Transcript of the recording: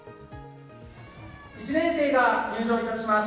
１年生が入場いたします